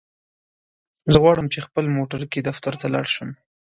زه غواړم چی په خپل موټرکی دفترته لاړشم.